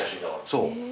そう。